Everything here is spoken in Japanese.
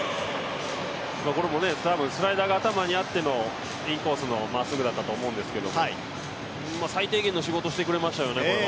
これもスライダーが頭にあってのインコースだったと思うんですけど最低限の仕事をしてくれましたよね、これは。